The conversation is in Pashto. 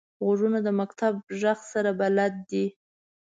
غوږونه د مکتب غږ سره بلد دي